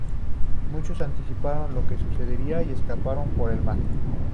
Muchos anticiparon lo que sucedería y escaparon por el mar.